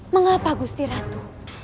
mengapa gusti ratu